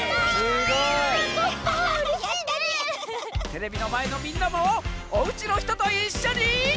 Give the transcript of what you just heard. テレビのまえのみんなもおうちのひとといっしょに。